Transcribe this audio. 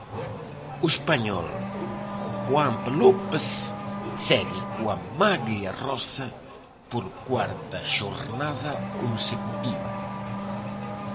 O español Juampe López segue coa maglia rosa por cuarta xornada consecutiva.